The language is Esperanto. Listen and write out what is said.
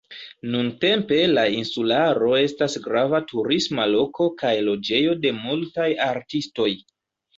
Nuntempe la insularo estas grava turisma loko kaj loĝejo de multaj artistoj.